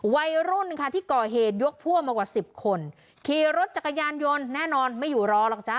วัยรุ่นค่ะที่ก่อเหตุยกพวกมากว่าสิบคนขี่รถจักรยานยนต์แน่นอนไม่อยู่รอหรอกจ๊